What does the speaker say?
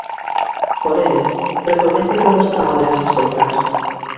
Porén, recoñece que gostaba de as escoitar.